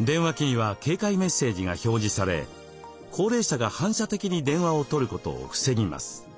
電話機には警戒メッセージが表示され高齢者が反射的に電話を取ることを防ぎます。